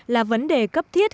là vấn đề cấp thiết